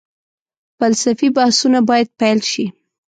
فلسفي بحثونه باید پيل شي.